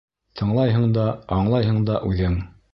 Тыңлайһың да, аңлайһың да үҙең.